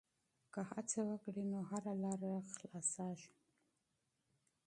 که هڅه وکړې نو هره لاره پرانیستل کېږي.